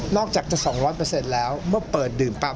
อกจากจะ๒๐๐แล้วเมื่อเปิดดื่มปั๊บ